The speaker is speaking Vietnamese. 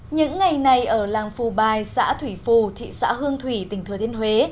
những ngày này ở làng phù bài xã thủy phù thị xã hương thủy tỉnh thừa thiên huế